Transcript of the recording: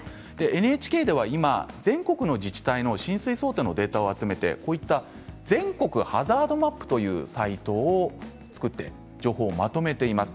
ＮＨＫでは今、全国の自治体の浸水想定のデータを集めてこういった全国ハザードマップというサイトを作って情報をまとめています。